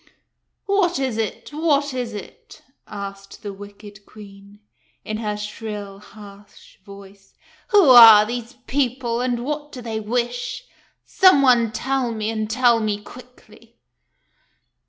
" What is it ? What is it ?" asked the wicked Queen, in her shrill, harsh voice. " Who are these people, and what do they wish ? Some one tell me, and tell me quickly."